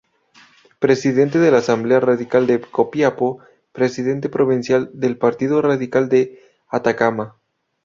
Presidente de la Asamblea Radical de Copiapó; presidente provincial del Partido Radical de Atacama.